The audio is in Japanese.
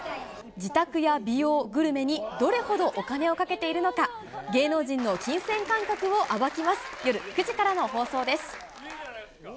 自宅や美容、グルメに、どれほどお金をかけているのか、芸能人の金銭感覚を暴きます。